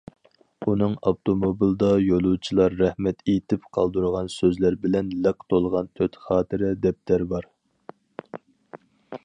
ئۇنىڭ ئاپتوموبىلىدا يولۇچىلار رەھمەت ئېيتىپ قالدۇرغان سۆزلەر بىلەن لىق تولغان تۆت خاتىرە دەپتەر بار.